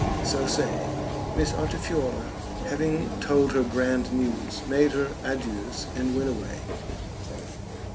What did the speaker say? So saying, Miss Altifiorla, having told her grand news, made her adieus and went away.